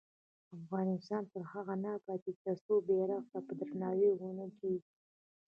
افغانستان تر هغو نه ابادیږي، ترڅو بیرغ ته په درناوي ودریږو.